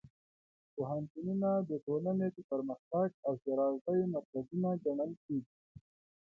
پوهنتونونه د ټولنې د پرمختګ او ښېرازۍ مرکزونه ګڼل کېږي.